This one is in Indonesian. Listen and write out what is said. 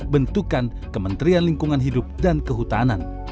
bentukan kementerian lingkungan hidup dan kehutanan